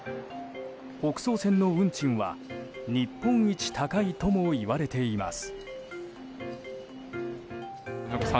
北総線の運賃は日本一高いともいわれています。